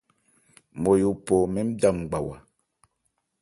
Nmɔyo phɔ mɛ́n bhya ngbawa.